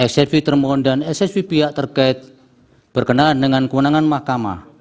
ssv termohon dan ssv pihak terkait berkenaan dengan kewenangan mahkamah